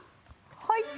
はい。